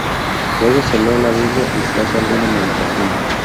Luego, se lee la Biblia y se hace alguna meditación.